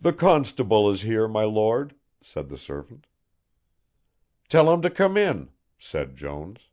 "The constable is here, my Lord," said the servant. "Tell him to come in," said Jones.